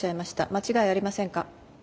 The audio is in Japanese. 間違いありませんか？